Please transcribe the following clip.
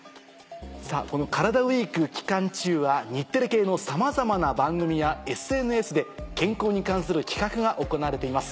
このカラダＷＥＥＫ期間中は日テレ系のさまざまな番組やＳＮＳで健康に関する企画が行われています。